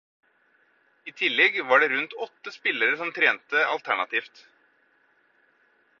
I tillegg var det rundt åtte spillere som trente alternativt.